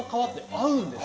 合うんです。